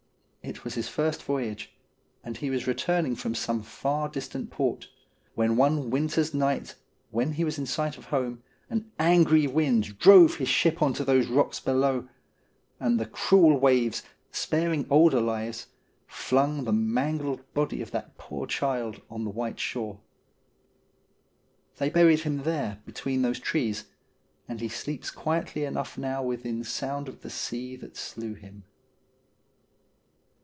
It was his first voyage, and he was returning from some far distant port, when one winter's night, when he was in sight of home, an angry wind drove his ship on to those rocks below ; and the cruel waves, sparing older lives, flung the mangled body of that poor child on the white shore. They buried him there between those trees, and he sleeps quietly enough now within sound of the sea that slew him.